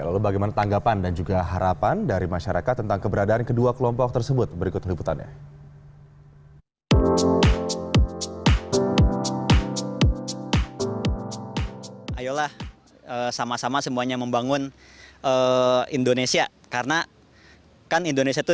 lalu bagaimana tanggapan dan juga harapan dari masyarakat tentang keberadaan kedua kelompok tersebut berikut liputannya